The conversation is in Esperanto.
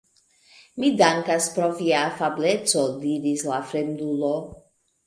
Mi dankas pro via afableco, diris la fremdulo.